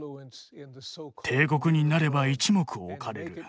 帝国になれば一目置かれる。